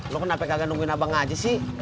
lu kenapa gak nungguin abang aja sih